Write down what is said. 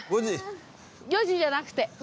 ４時じゃなくて。